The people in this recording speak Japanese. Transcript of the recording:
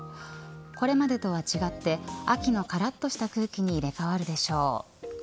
これまでとは違って秋のからっとした空気に入れ替わるでしょう。